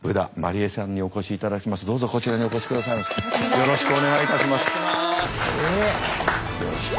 よろしくお願いします。